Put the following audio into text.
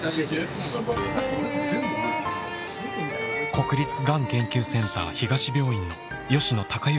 国立がん研究センター東病院の吉野孝之